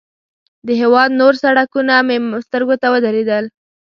د هېواد نور سړکونه مې سترګو ته ودرېدل.